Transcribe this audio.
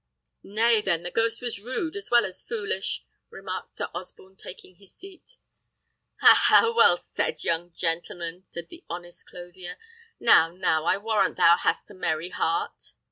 "Nay, then, the ghost was rude as well as foolish," remarked Sir Osborne, taking his seat. "Ha! ha! well said, young gentleman," cried the honest clothier. "Nay, now, I warrant thou hast a merry heart."